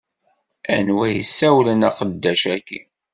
Anwa i yessewlen aqeddac-agi?